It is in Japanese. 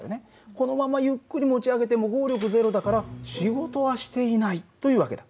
このままゆっくり持ち上げても合力０だから仕事はしていないという訳だ。